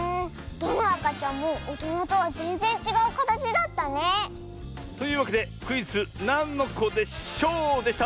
どのあかちゃんもおとなとはぜんぜんちがうかたちだったね。というわけでクイズ「なんのこでショー」でした！